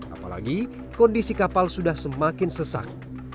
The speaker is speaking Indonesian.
apalagi kondisi kapal sudah semakin sesak